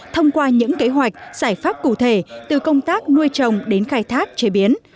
thông qua những kế hoạch giải pháp cụ thể từ công tác nuôi trồng đến khai thác chế biến